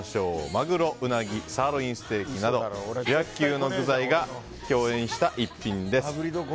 マグロ、ウナギサーロインステーキなど主役級の食材が共演した逸品です。